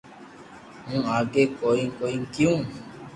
ھون آگي ڪوئي ڪوئي ڪيو